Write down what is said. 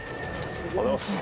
おはようございます。